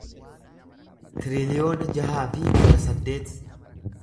tiriliyoona jaha fi kudha saddeet